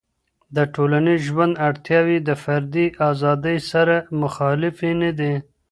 د ټولنیز ژوند اړتیاوې د فردي ازادۍ سره مخالفېي نه دي.